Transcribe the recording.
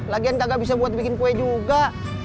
lagian nggak bisa buat bikin kue juga